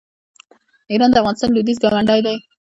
ایران د افغانستان لویدیځ ګاونډی دی.